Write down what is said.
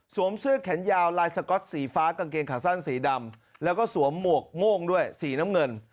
เสื้อแขนยาวลายสก๊อตสีฟ้ากางเกงขาสั้นสีดำแล้วก็สวมหมวกโม่งด้วยสีน้ำเงิน